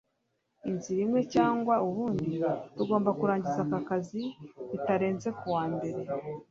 Inzira imwe cyangwa ubundi, tugomba kurangiza aka kazi bitarenze kuwa mbere.